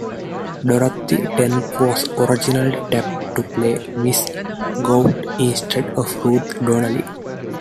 Dorothy Tennant was originally tapped to play Mrs. Gould instead of Ruth Donnelly.